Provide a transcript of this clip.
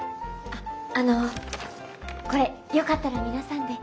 あっあのこれよかったら皆さんで。